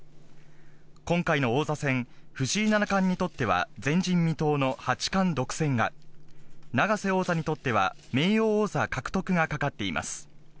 今回の王座戦、藤井七冠にとっては前人未到の八冠独占が永瀬王座にとっては名誉王座獲得がかかっています。